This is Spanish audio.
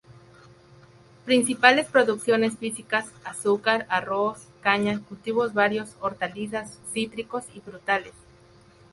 Principales producciones físicas: Azúcar, arroz, caña, cultivos varios, hortalizas cítricos y frutales.